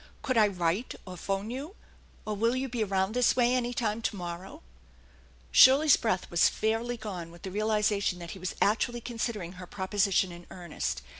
Could I write or phone you, or will you be around this way any time to morrow ?" Shirley's breath was fairly gone with the realization that he was actually considering her proposition in earnest.